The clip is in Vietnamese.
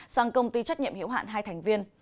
sang công ty trách nhiệm hiểu hạn hai thành viên